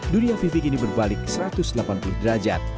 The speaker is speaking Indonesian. dunia vivi kini berbalik satu ratus delapan puluh derajat